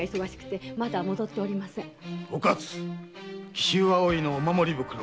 紀州葵のお守り袋